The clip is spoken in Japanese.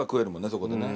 そこでね。